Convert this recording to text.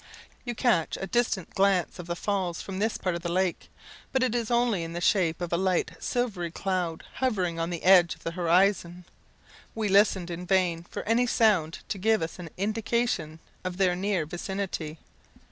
You catch a distant glance of the Falls from this part of the lake; but it is only in the shape of a light silvery cloud hovering on the edge of the horizon. We listened in vain for any sound to give us an indication of their near vicinity.